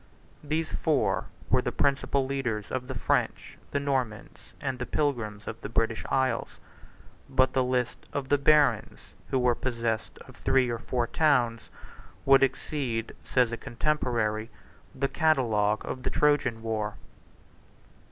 These four were the principal leaders of the French, the Normans, and the pilgrims of the British isles: but the list of the barons who were possessed of three or four towns would exceed, says a contemporary, the catalogue of the Trojan war.